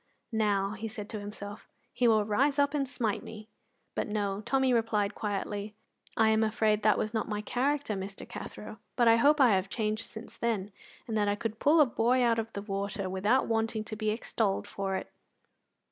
"Now," he said to himself, "he will rise up and smite me." But no; Tommy replied quietly; "I am afraid that was not my character, Mr. Cathro; but I hope I have changed since then, and that I could pull a boy out of the water without wanting to be extolled for it."